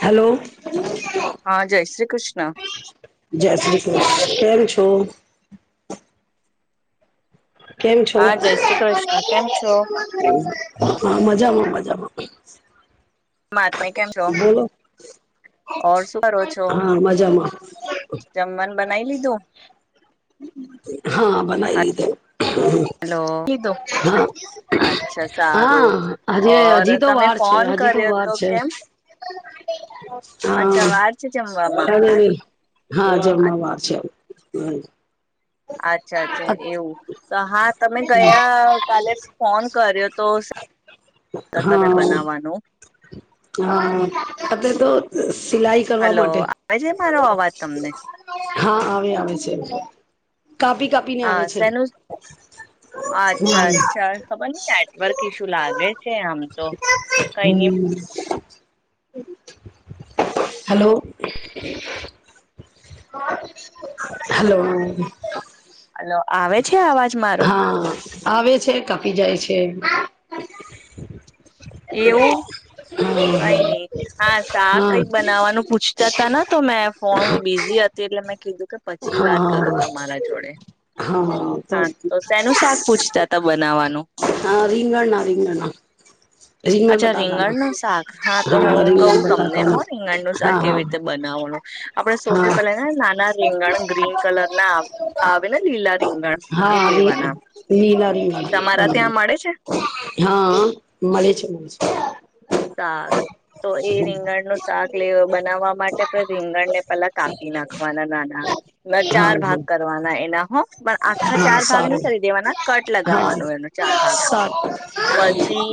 Hello. હા જય શ્રી કૃષ્ણ. જય શ્રી કૃષ કેમ છો? કેમ છો [unintelligible] હા જય શ્રી કૃષ્ણ કેમ છો હા મજામાં મજામાં મા તમે કેમ છો બોલો ઓર શું કરો છો? હા મજામાં જમવાન બનાવી લીધું? હા બનાવી લીધુ હલો કીધું હા હા હજી ઓર હજી તો તમે વાર છે ફોન હજી તો કર્યો વાર છે. કેમ અચ્છા વાર છે હા જમવામાં હવે વે હા જમમ વાર છે એમ અચ્છા અચ્છા એવું. તો હા તમે ગયા કાલે ફોન કર્યો તો તો તમે બનાવવાનું હા અત્યાર તો સિલાઈ કરવા હલો માટે આવે છે મારો અવાજ તમને હા આવે આવે છે. કાપી કાપી ને હા આવે છે. [inaudible] શેનું અચ્છા અચ્છા ખબર નઈ નેટવર્ક ઈશ્યુ લાગે છે આમ તો. કઈ ન હમ્મ. હલો. હલો. હલો આવે છે અવાજ મારો? હા આવેે છે કાપી જાય છે. [inaudible] એવું તો કઈ નઈ હા શાક હા કઈક બનાવવાનું પૂછતા તને તો મેં ફોન બિઝી હતી એટલે મેં કીધું કે પછી વાત હા કરું તમારા જોડે. હા. હા તો શેનું શાક પૂછતા તા બનાવવાનું? હા રીંગણ ના રીંગણ ના અચ્છા રીંગણ નુ શાક હા તો હું કહું રીંગણ તમને બટાકાના હો રીંગણ નું શાક કેવી હા રીતે બનાવવાનું. આપડે હા સૌથી પહેલા હા ને નાના રીંગાણ ગ્રીન કલર ના આવે ને. લીલા રીંગળ હા ની નીલા તમારા રિગળનુ ત્યાં મળે છે હા મળે છે મળે છે. સારું. તો એ રીંગણનું શાક લે બનાવવા માટે આપણે રીંગણને પેલા કાપી નાખવાના નાના છે હા ચાર ભાગ હા કરવાના એના હો પણ આખા હા ચાર ભાગ ની સારું કરી દેવાના કટ હા લગાવવાનું એનું ચાર ભાગ નુ સારું પછી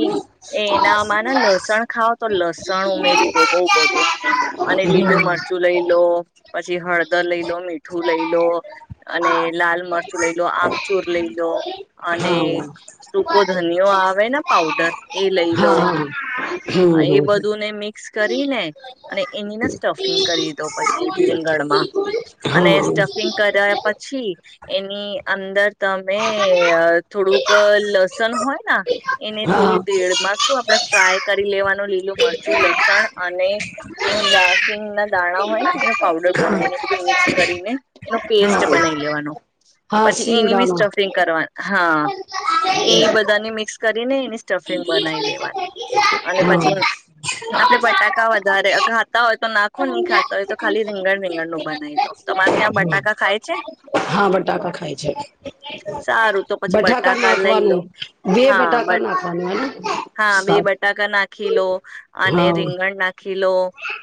એના માના લ લસણ ખાઓ તો લસણ ઉમેરી દો બઉ બધું અને લીલું હમ મરચું લઈ લો પછી હળદર લઈ લો મીઠું લઈ લો. અને લાલ મરચું લઈ લો આમચૂર લઈ લો અને હા. સૂકો ધનયો આવે ને પાવડર એ લઈ લો. [inaudible] એ બધુંને મિક્સ કરીને અને એનીને સ્ટફિંગ કરીદો પછી બિલીગણમાં અને હા. સ્ટફિંગ કર્યા પછી એની અંદર તમે અ થોડુંક લસન હોયન એને હા. થોડું તેળમાં શું આપણે ફ્રાય કરી લેવાનું લીલું મરચું લસણ અને સિંગાસિંગ ના દાણા હોયને, એનો પાવડર બનાવીને, એ બધું મિક્સ કરીને એનો પેસ્ટ હા બનાવી લેવાનો, હા પછી એની ભી સિંગદાણા. સ્ટફિંગ કરવાનું, હા. એ બધાને મિક્સ કરીને, એની સ્ટફિંગ બનાવી લેવાની, અને હા. પછી આપડે બટાકા વધારે ખાતા હોય તો, નાખો નહીં ખાતા હોયતો, ખાલી રીંગણ રીંગણનું બનાવી લો, તમારે ત્યાં બટાકા ખાય છે. હા બટાકા ખાય છે. સારું તો, પછી બટાકા લઈલો, બે હા, બટાકા નાખવાનું હેને. હા, બે બટાકા. બટાકા નાખીલો, અને હા રીંગણ નાખીલો.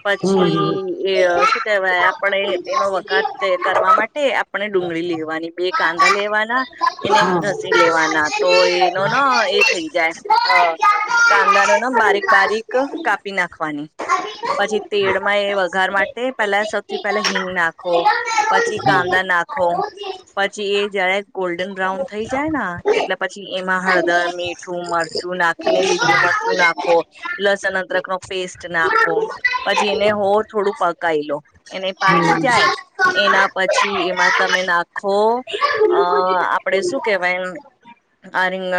પછી હમ. એશું કેવાય, આપણેે તેનો વઘાર કરવા માટે. આપણે ડુંગળી લેવાની, બે કાંદા હા. લેવાના, એને હા. લેવાના, તો એનો એ થઈ જાય, કાંદા. બારીક, બારીક કાપી નાખવાની. પછી તેડમાં એ વઘાર માટે પેલા સૌથી પહેલા હિંગ નાખો. પછી કાંદા નાખો, પછી એ જયારે ગોલ્ડન બ્રાઉન થઈ. જાયના, એટલે પછી એમાં હળદર, મીઠું, મરચું નાખીને, લીલું મરચું. નાખો, લસન અદરકનો પેસ્ટ નાખો. પછી એને હોર થોડું પકાઈ લો, એને પાકી જાય. એના પછી એમાં તમે નાખો. અ આપડે શું કેવાય? એમ. આ રંગ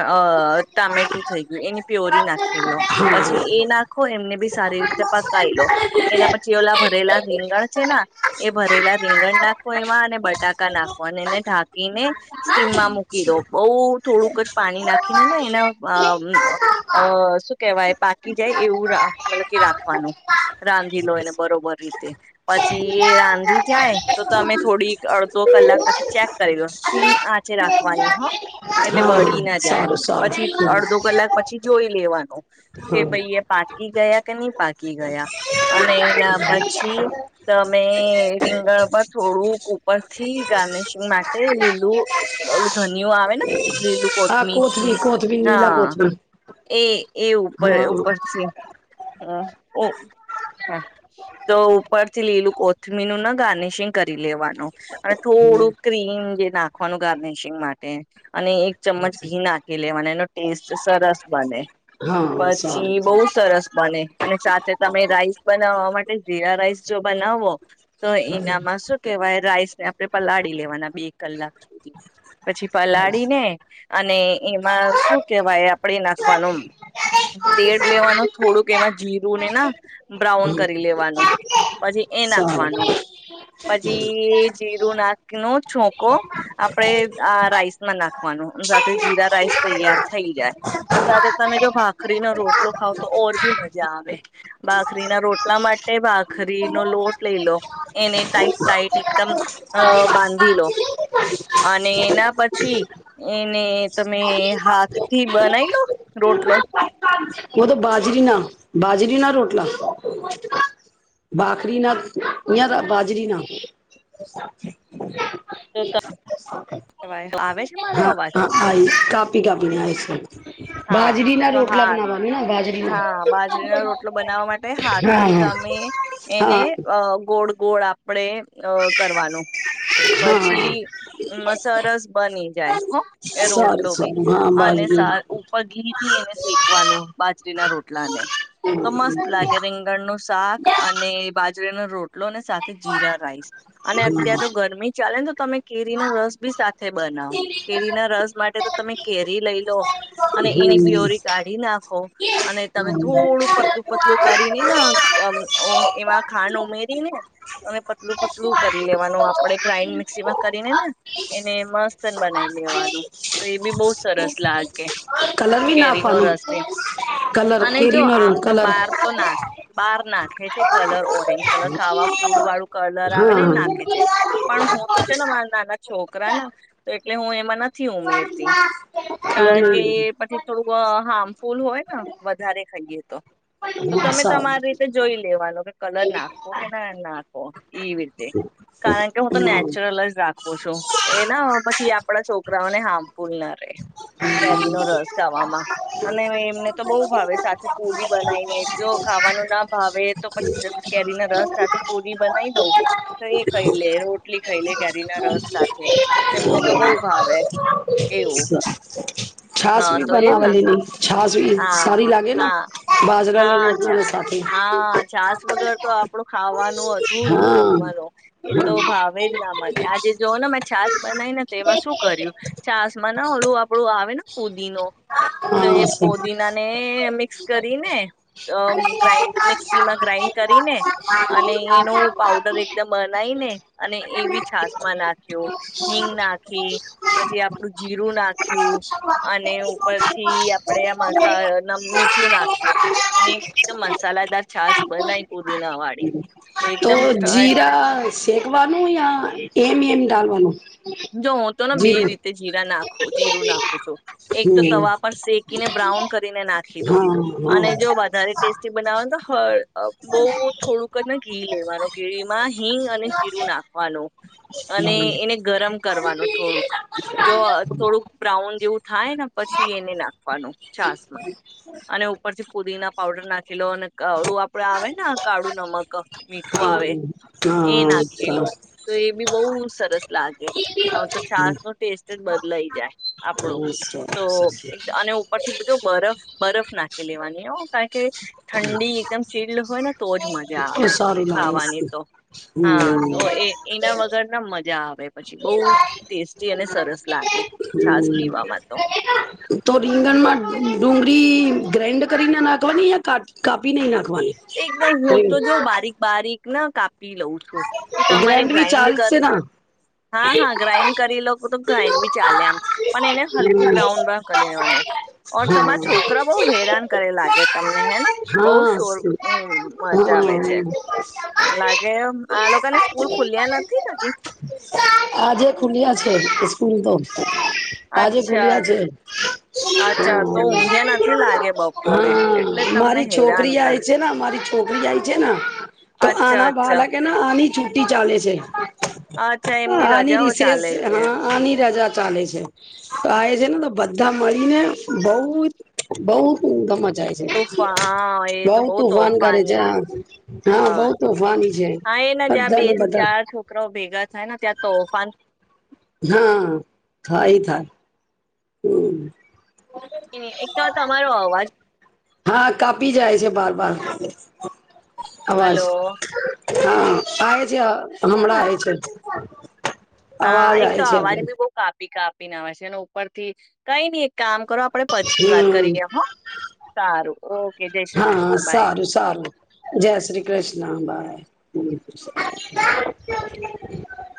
ટામેટું થઈ ગયું, એની પ્યોરી નાખી લો, પછી એ નાખો. આખો એમને ભી સારી રીતે પકાયલો, એના પછી ઓલા ભરેલા રીંગણ છે. એ ભરેલા રીંગણ નાખો, એમાં અને બટાકા નાખો, અને એને ઢાંકીને. સ્ટીમમાં મૂકીદો, બહુ થોડુંક જ. પાણી નાખીને, ને એના શું કેવાય? પાકી જાય, એવું મતલબ કે રાખવાનું રાંધી લો, એને બરોબર રીતે. પછી એ રાંધી જાય તો, તમે થોડી અડધો કલાક પછી ચેક કરીદો. તીમ આ છે, રાખવાની હો એટલે હા બળીને. જાય, સારું પછી સારું અડધો કલાક પછી જોઈ લેવાનું. કે, હમ. હા ભાઈએ પાકી ગયા કે નહીં, પાકી ગયા અને એના પછી તમે રીંગણ પર થોડુંક ઉપર થી ગાર્નિશિંગ માટે લીલું ઓલું ધનિયુ આવેને, લીલું હા કોથમીર કોથમી કોથમી નીલા હા, કોથમી એ. ઉપ ઉપર હા. છે, હ. હાતો, ઉપરથી લીલું કોથમીનું ના, ગાર્નિશિંગ કરી લેવાનું. અને થોડું ક્રીમ જે નાખવાનું, ગાર્નિશિંગ માટે અને એક ચમચ ઘી નાખી લે, અને એનો ટેસ્ટ સરસ બને. હા પછી સારું. બહુ સરસ બને. અને સાથે તમે રાઈસ બનાવવા માટે, જીરા રાઈસ જો બનાવો તો એનામાં શું? કેવાય, રાઈસને આપણે પલાળી લેવાના બે કલાક સુધી, પછી પલાળીને. અને એમાં શું કેવાય? આપણેે નાખવાનું. તેલ લેવાનું થોડુંક એમાં જીરુંને ના બ્રાઉન કરી લેવાનું. પછી એ સારું. નાખવાનું, પછી જીરું નો નાખો, છોકો. આપણેે આ રાઈસમાં નાખવાનું, સાથે જીરા-રાઈસ તૈયાર થઈ જાય. અને સાથે તમે જો ભાખરીનો રોટલો ખાવતો, ઓર ભી મજા આવે. ભાખરીના રોટલા માટે, ભખરીનો લોટ લઈલો. એને ટાઈટ, ટાઈટ એકદમ, અ બાંધી લો. અને એના પછી એને તમે હાથથી બનાવી લો રોટલો. ઉ તો બાજરી ના, બાજરી ના રોટલા. બાખરી ના, બાજરી ના હોય. [inaudible] તોવા આવે છે મારો હા અવાજ હા આઈ કાપી કાપી ને આઈ છે હા બાજરી ના તો રોટલા હા બનાવાનું બાજરીના હા બાજરીનો રોટલો બનાવવા માટે હા હાથથી હા તમે એને હા. અ ગોળ ગોળ આપડે અ કરવાનું પછી હા સરસ બની જાય હો એ સારું રોટલો બી સારું હા અને બાજુ પઘલી થી એને શેકવાનું બાજરીના રોટલા ને તો મસ્ત લાગે રંગ રીગણ નું શાક અને બાજરીનો રોટલો અને સાથે જીરા રાઈસ અને અત્ય્યારે તો ગરમી ચાલે ને તો તમે કેરીનો રસ બી સાથે બનાવ કેરી ના રસ માટે તો તમે કેરી લઈ લો અને એની હમ પ્યોરી કાઢ નાખો અને તમે થોડું પતલું પતલું કરીને ઓ એવા ખાંડ ઉમેરી ને અને પતલું પતલું કરી લેવાનું આપડે ગ્રાાઈન્ડ મિક્સી માં કરીને ને એને મસ્ત બનાવી લેવાનું તો એ બી બહુ સરસ લાગે કલર બી કેરી નો નાખવાનો રસ કલર અને જો કેરીનો આમ તો કલર બાર તો નાખે બાર નાખે છે કલર ઓરેન્જ કલર ખાવા ફૂડ વાળું કલર આવે ને હા નાખે છે પણ હું તો છે ને મારા નાના છોક છોકરા ના તો એટલે હું એમાં નથી ઉમેરતી કારણ કલર પછથી થોડું હાર્મફુલ હોય ને વધારે ખાઈએ તો નહી તો હા તમે સારું તમારી જોઈ લેવાનું કલર નાખો કે ના નાખો એ રીતે કારણ કે હું તો હા નેચરલ જ રાખું છું એના પછી આપણા છોકરાઓને હાર્મફુલ ના રહેે કેરી નો રસ ખાવામાં અને એમને તો બહુ ભાવે સાથે પુરી બનાવીને જો ખાવાનું ના ભાવે તો પછી કેરી ના રસ સાથે પુરી બનાવી દઉં કઈ ખાઈ લે રોટલી ખાઈ લે કરી ના રસ સાથે તેમને તો બહુ ભાવે એવું છાસ છાશ હા ભી તો એમ ને બનાવાલીની છાશ ભી હા સારી લાગે હા બાજરાના હા છા રોટલાના સાથે હા છાસ વગર તો આપડું ખાવાનું અધુરું હા જમવાનું એ તો ભાવે જ ના મને આજે જોવ ને મેં છાાસ બનાવી ને તો એમાં શું કર્યું છાસમાં ના હલું આપડું આવે ને ફુદીનો તો એ હા છે. ફોદીના ને મિક્સ કરીને ગ્રાઇન્ડ મિક્સીમાં ગ્રાાઈન્ડ કરીને અને એનો પાવડર એકદમ બનાવીને અને એ બી છાસ માં નાખે હિંગ નાખી પછી આપડું જીરું નાખી નાખ અને ઉપરથી આપણેે આ મસા મીઠું નાખ્યું અને એકદમ મસાલાદાર છાસ બનાય ફુદીના વાળી તો એકદમ શેકવાનું યા એમ એમ ડાલવાનું જો હું તો ને બે જીરું રીતે જીરા નાખું જીરું નાખું છું એક તો હમ તવા પર શેકીને બ્રાઉન કરીને નાખી દો હા અને જો વધારે હા ટેસ્ટી બનાવુ તો હળ બહુ થોડુંક જ ને ઘી લેવાનું ઘીમાં હિંગ અને જીરું નાખવાનું અને એને ગરમ કરવાનું થોડુંક જો થોડુંક બ્રાઉન જેવું થાય ને પછી એને નાખવાનું છાસ માં અને ઉપરથી ફુદીના પાવડર નાખી લો અને કાળું આપડે આવે કાળું નમક મીઠું આવે એ નાખેલો તો એ બી બહુ સરસ લાગે અને તો છાસ નો ટેસ્ટ જ બદલાઈ જાય આપણું તો ઉપર થી બધ બરફ બરફ નાખી લેવાની હો કારણ કે ઠંડી એકદમ ચીલ્ડ હોય ને તો જ મજા આવે ખાવાની તો હમ હા હમ તો એ એના વગર ના મજા આવે પછી બહુ જ ટેસ્ટી અને સરસ લાગે છાસ હમ પીવામાં તો તો તો રીંગણમાં ડુંગળી ગ્રાઇન્ડ કરીને નાખવાની યા કાપીને નાખવાની? એકદમ હું તો જોઉ બારીક બારીક ના કાપી લઉં. તો તમારે ગ્રેન્ડ બી ગ્રાઈન્ડ ચાલશે કરો ના હા હા ગ્રાાઈન્ડ કરી લો તો ગ્રાઈન્ડ બી ચાલે આમ પણ એને હલકું બ્રાઉન પણ કરી લેવાનું. ઓર તમારા છોકરા બહું હેરાન કરે લાગે તમને હે બહું શોર હમ મજા આવે છે લાગે આ લોકો ને સ્કૂલ ખુલ્યા નથી હજી આજે ખુલ્યા છે સ્કૂલ તો. આજે અચ્છા ખુલ્યા છે. અચ્છા તો ઊંઘ્યા નથી લાગે બપોરે હા એટલે તમને મારી હેરાન છોકરી આ કર છે ને મારી છોકરી આય છે ને અચ્છા અચ્છા બાળકને આની છુટી ચાલે છે. અચ્છા એમની આની રજાઓ રીશેષ ચાલે છે હા આની રાજા ચાલે છે. તો આવે છે ને તો બધા મળીને બહું બહું તોફા [unintelligible] હા એ તો બહું બહુ તોફાન કરે છે તોફાની હા બહું તોફની છે. ને જ્યાં બે બધાને થી બધા ચાર છોકરાઓ ભેગા થાય ને ત્યાં તોફાન હા, થાય, થાય. હમ. એકતો તમારો અવાજ હા કાપી જાય છે બાર બાર. આવાજ હલો હા આ છે હમણા આવે છે. અવાજ હા એક આવે તો છે આપ અવાજ બી બહુ કાપી કાપીને આવે છે એ ઉપરથી કઈ નઈ. કામ કરો આપડે પછી વાત હમ કરીએ હો સારું ઓકે જય શ્રી હા કૃષ્ણ બાય. સારું સારું જય શ્રી કૃષ્ણ બાય હમ.